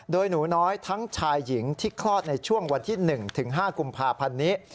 โดยหนูน้อยทั้งชายหญิงที่คลอดในช่วงวันที่๑ถึง๕กุมภาพันธ์นี้